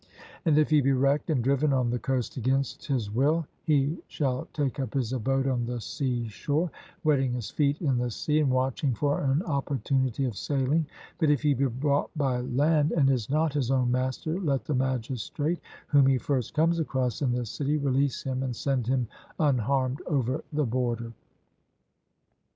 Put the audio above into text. And if he be wrecked, and driven on the coast against his will, he shall take up his abode on the seashore, wetting his feet in the sea, and watching for an opportunity of sailing; but if he be brought by land, and is not his own master, let the magistrate whom he first comes across in the city, release him and send him unharmed over the border.